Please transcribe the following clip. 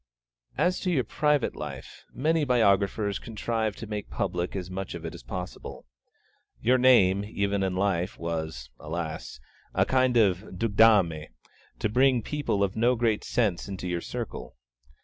As to your private life, many biographers contrive to make public as much of it as possible. Your name, even in life, was, alas! a kind of ducdame to bring people of no very great sense into your circle.